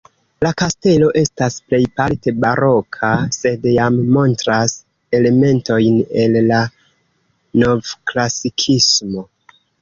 La kastelo estas plejparte baroka, sed jam montras elementojn el la novklasikismo.